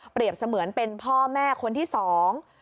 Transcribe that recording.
เสมือนเป็นพ่อแม่คนที่สอง